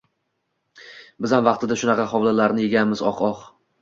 Bizam vaqtida shunaqa holvalarni eganmizki, oh-oh-oh